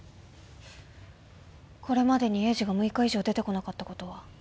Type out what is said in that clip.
これまでにエイジが６日以上出てこなかったことは？